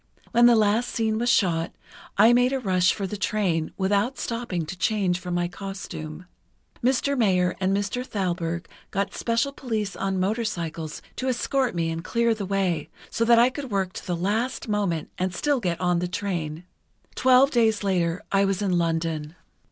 When the last scene was shot, I made a rush for the train, without stopping to change from my costume. Mr. Mayer and Mr. Thalberg got special police on motorcycles to escort me and clear the way, so that I could work to the last moment and still get the train. Twelve days later I was in London."